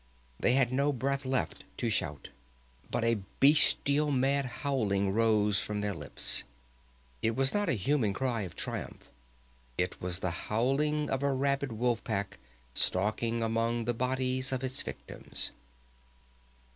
They had no breath left to shout, but a bestial mad howling rose from their lips. It was not a human cry of triumph. It was the howling of a rabid wolf pack stalking among the bodies of its victims.